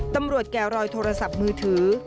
ตำรวจแกร่อยโทรศัพท์มือถือ